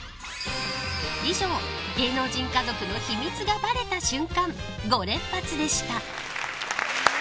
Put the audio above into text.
以上、芸能人家族の秘密がバレた瞬間５連発でした。